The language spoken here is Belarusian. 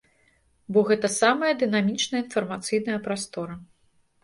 Бо гэта самая дынамічная інфармацыйная прастора.